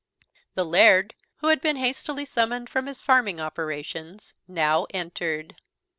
The Laird, who had been hastily summoned from his farming operations, now entered.